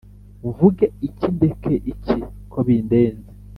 Mvuge iki ndeke iki ko bindenze?